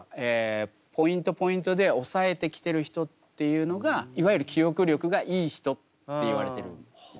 ポイントで押さえてきてる人っていうのがいわゆる記憶力がいい人っていわれてるんですね。